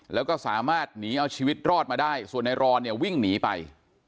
แล้วก็สามารถหนีเอาชีวิตรอดมาได้ส่วนในรอนเนี่ยวิ่งหนีไป